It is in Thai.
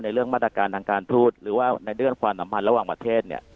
เรื่องมาตรการทางการทูตหรือว่าในเรื่องความสัมพันธ์ระหว่างประเทศเนี่ย